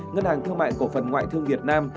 ngân hàng thương mại cổ phần ngoại thương việt nam